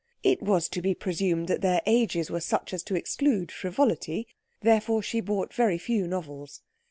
It was to be presumed that their ages were such as to exclude frivolity; therefore she bought very few novels.